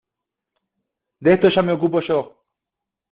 de esto ya me ocupo yo.